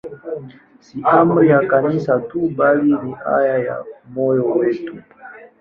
Si amri ya Kanisa tu, bali ni haja ya moyo wetu.